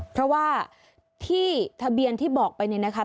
เพราะว่าที่ทะเบียนที่บอกไปเนี่ยนะคะ